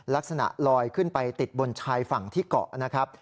ลักษณะลอยขึ้นไปติดบนชายฝั่งที่เกาะนะครับ